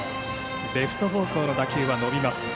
レフト方向への打球は伸びます。